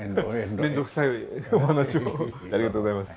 面倒くさいお話をありがとうございます。